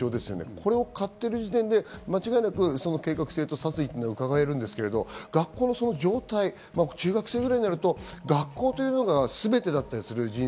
これを買っている時点で間違いなく計画性と殺意というのが伺えるんですけど、学校の状態、中学生くらいになると学校というのが全てだったりする。